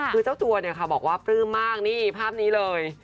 คือเจ้าตัวบอกว่าปลื้มมากนี่ภาพนี้เลย